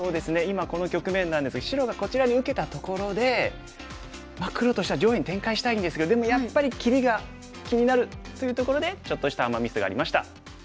今この局面なんですが白がこちらに受けたところで黒としては上辺に展開したいんですけどでもやっぱり切りが気になるというところでちょっとしたアマ・ミスがありました。